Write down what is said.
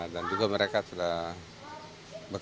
dan juga mereka sudah bekas